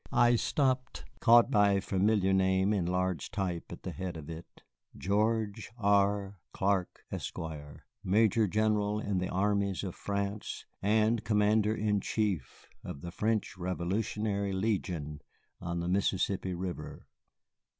I stopped, caught by a familiar name in large type at the head of it. "GEORGE R. CLARK, ESQUIRE, "MAJOR GENERAL IN THE ARMIES OF FRANCE AND COMMANDER IN CHIEF OF THE FRENCH REVOLUTIONARY LEGION ON THE MISSISSIPPI RIVER.